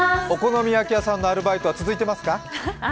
お好み焼き屋さんのアルバイトは続いてますか？